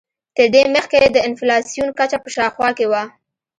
تر دې مخکې د انفلاسیون کچه په شاوخوا کې وه.